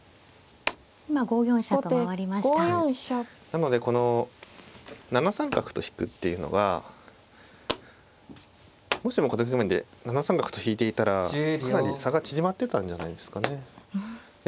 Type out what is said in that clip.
なのでこの７三角と引くっていうのはもしもこの局面で７三角と引いていたらかなり差が縮まってたんじゃないですかね。